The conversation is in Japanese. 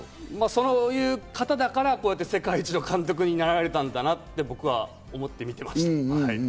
そういう方だから、こうやって世界一の監督になられたんだなって、僕は思って見てました。